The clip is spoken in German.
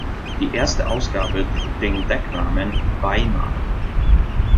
Die erste Ausgabe trug den Decknamen „Weimar“.